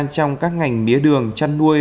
trong các ngành mía đường chăn nuôi